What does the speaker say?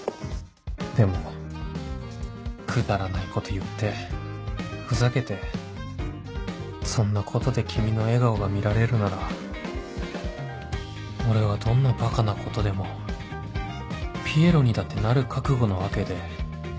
でもくだらないこと言ってふざけてそんなことで君の笑顔が見られるなら俺はどんなばかなことでもピエロにだってなる覚悟なわけで